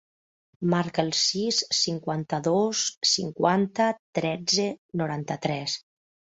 Marca el sis, cinquanta-dos, cinquanta, tretze, noranta-tres.